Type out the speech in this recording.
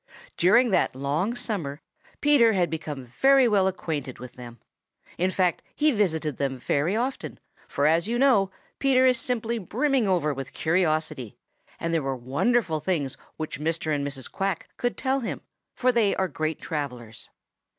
During that long summer Peter had become very well acquainted with them. In fact he visited them very often, for as you know, Peter is simply brimming over with curiosity, and there were wonderful things which Mr. and Mrs. Quack could tell him, for they are great travelers.